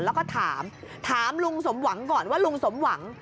แล้วก็ถามถามลุงสมหวังก่อนว่าลุงสมหวัง